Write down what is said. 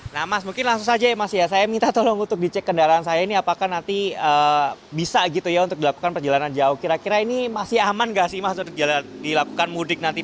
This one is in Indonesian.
nah mas mungkin langsung saja ya mas ya saya minta tolong untuk dicek kendaraan saya ini apakah nanti bisa gitu ya untuk dilakukan perjalanan jauh kira kira ini masih aman gak sih mas untuk dilakukan mudik nanti